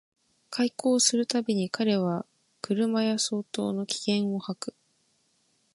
邂逅する毎に彼は車屋相当の気焔を吐く